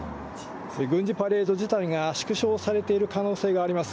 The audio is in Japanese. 軍事パレード自体が縮小されている可能性があります。